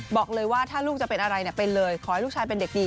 บอกเลยว่าถ้าลูกจะเป็นอะไรเป็นเลยขอให้ลูกชายเป็นเด็กดี